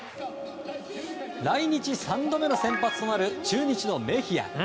来日３度目の先発となる中日のメヒア。